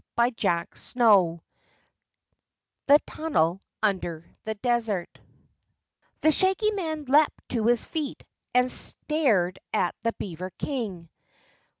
CHAPTER 17 The Tunnel Under the Desert The Shaggy Man leaped to his feet and stared at the beaver King.